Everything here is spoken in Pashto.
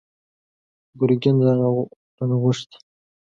ګرګين رانه غوښتي!